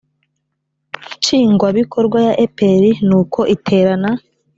nshingwabikorwa ya epr n uko iterana